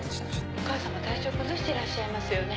お母さん体調崩してらっしゃいますよね。